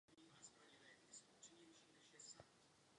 Touto operou se téměř okamžitě stal slavným po celé Evropě.